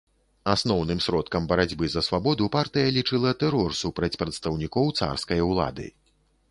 Асноўным сродкам барацьбы за свабоду партыя лічыла тэрор супраць прадстаўнікоў царскай улады.